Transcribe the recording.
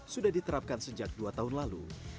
sudah diterapkan sejak dua tahun lalu